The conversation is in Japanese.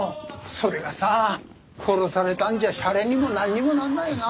それがさ殺されたんじゃしゃれにもなんにもなんないな。